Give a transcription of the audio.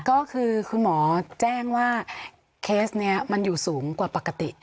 ก็คือคุณหมอแจ้งว่าเคสนี้มันอยู่สูงกว่าปกติ